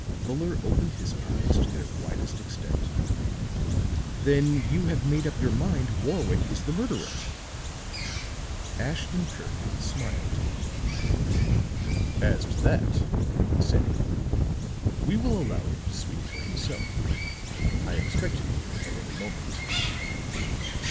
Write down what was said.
Fuller opened his eyes to their widest extent. "Then you have made up your mind Warwick is the murderer." Ashton Kirk smiled. "As to that," said he, "we will allow him to speak for himself. I expect him here at any moment."